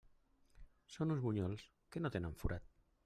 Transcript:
Són uns bunyols que no tenen forat.